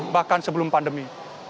bahkan sebelum pandemi